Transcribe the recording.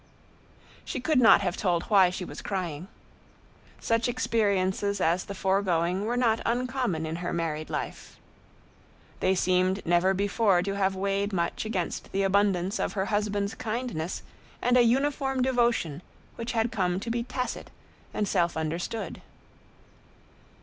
She could not have told why she was crying. Such experiences as the foregoing were not uncommon in her married life. They seemed never before to have weighed much against the abundance of her husband's kindness and a uniform devotion which had come to be tacit and self understood.